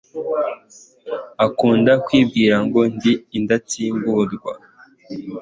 akunda kwibwira ngo ndi indatsimburwa